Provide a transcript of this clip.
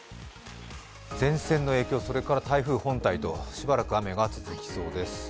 前線の影響、台風本体としばらく雨が続きそうです。